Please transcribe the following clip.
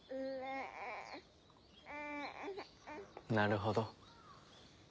なるほど。